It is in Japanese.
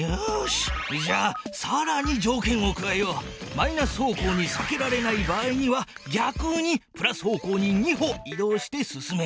マイナス方向にさけられない場合にはぎゃくにプラス方向に２歩い動して進め！